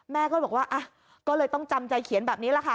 แม่ก็บอกว่าก็เลยต้องจำใจเขียนแบบนี้แหละค่ะ